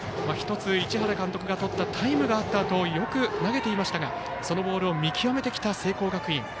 １つ、市原監督がとったタイムがあったあとよく投げていましたがボールを見極めてきた聖光学院。